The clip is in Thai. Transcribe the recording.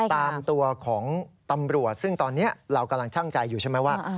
ตามตัวของตำรวจซึ่งตอนนี้เรากำลังชั่งใจอยู่ใช่ไหมว่า